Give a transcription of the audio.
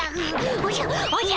おじゃおじゃ！